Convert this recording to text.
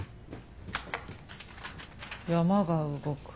山が動く。